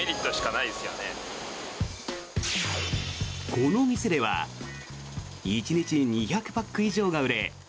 この店では１日２００パック以上が売れ